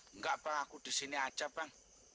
enggak pak aku disini aja pak